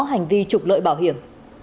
hành vi trục lợi bảo hiểm